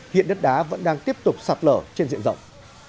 hiện đất đá vẫn đang tiếp tục sạt lở trên diện rộng